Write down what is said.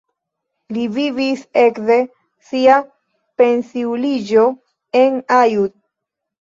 Li vivis ekde sia pensiuliĝo en Aiud.